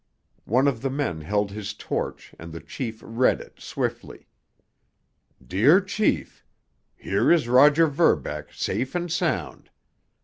One of the men held his torch, and the chief read it swiftly: Dear Chief: Here is Roger Verbeck safe and sound.